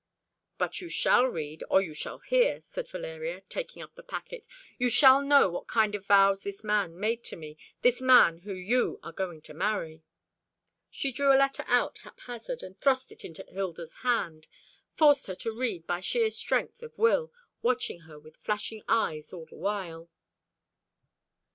"But you shall read, or you shall hear," said Valeria, taking up the packet. "You shall know what kind of vows this man made to me, this man whom you are going to marry." She drew out a letter haphazard, and thrust it into Hilda's hand forced her to read by sheer strength of will, watching her with flashing eyes all the while.